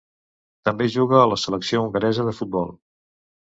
També juga a la selecció hongaresa de futbol.